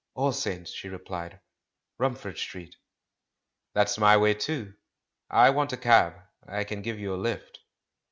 "All Saints," she replied; "Rumford Street." "That's my way, too. I want a cab — I can give you a lift."